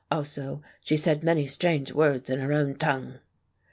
Also she said many strange words in her own tongue."